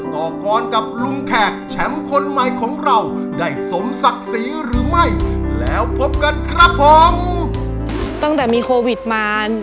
ตั้งแต่มีโควิดมา